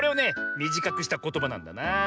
みじかくしたことばなんだなあ。